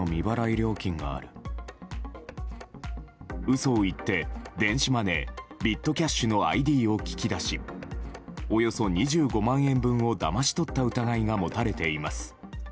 嘘を言って、電子マネービットキャッシュのＩＤを聞き出しおよそ２５万円分をだまし取った疑いが持たれています。